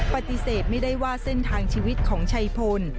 ปฏิเสธไม่ได้ว่าเส้นทางชีวิตของชัยพล